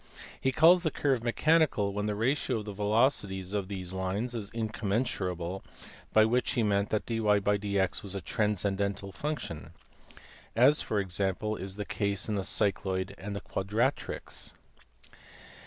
He calls a curve mechanical when the ratio of the velocities of these lines is "incommensurable," by which he meant that dyjdx was a transcendental function, as for example is the case in the cycloid and the quadratrix.